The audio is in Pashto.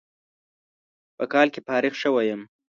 په کال کې فارغ شوى يم.